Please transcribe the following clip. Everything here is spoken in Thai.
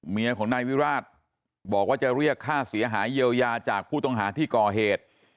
เมียของนายวิราชบอกว่าจะเรียกค่าเสียหายเยียวยาจากผู้ต้องหาที่ก่อเหตุ